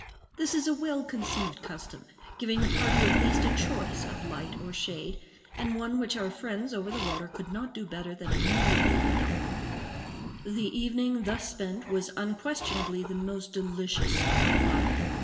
This is a well conceived custom, giving the party at least a choice of light or shade, and one which our friends over the water could not do better than immediately adopt. The evening thus spent was unquestionably the most delicious of my life.